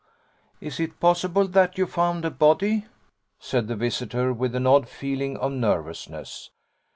'Is it possible that you found a body?' said the visitor, with an odd feeling of nervousness.